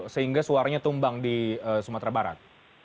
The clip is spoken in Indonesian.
sehingga suaranya tumbang di sumatera barat